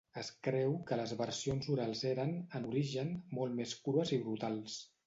Es creu que les versions orals eren, en origen, molt més crues i brutals.